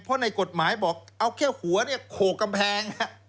เพราะในกฎหมายบอกเอาแค่หัวเนี่ยโขกกำแพง